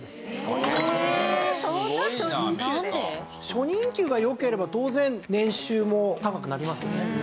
初任給が良ければ当然年収も高くなりますよね。